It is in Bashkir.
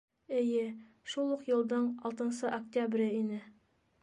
Эйе, шул уҡ йылдың алтынсы октябре ине.